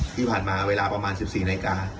ที่ผ่านมาเวลาประมาณ๑๔นาฬิกา